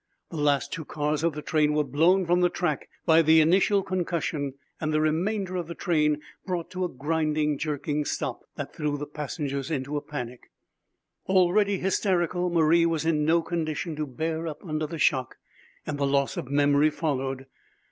The last two cars of the train were blown from the track by the initial concussion, and the remainder of the train brought to a grinding, jerking stop that threw the passengers into a panic. Already hysterical, Marie was in no condition to bear up under the shock, and the loss of memory followed.